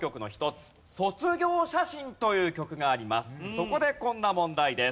そこでこんな問題です。